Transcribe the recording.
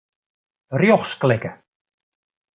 Rjochts klikke.